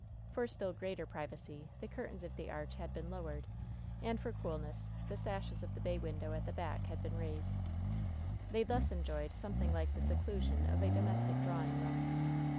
For still greater privacy the curtains of the arch had been lowered, and for coolness the sashes of the bay window at the back had been raised. They thus enjoyed something like the seclusion of a domestic drawing room.